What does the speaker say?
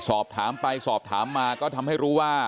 สอบถามไปสอบถามมาก็ทำให้รู้ว่า